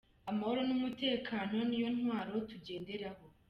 Amahoro numutekano niyo ntwaro tugenderaho.